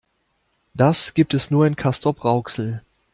Das gibt es nur in Castrop-Rauxel